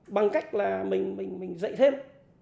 bằng cách là mình dạy thêm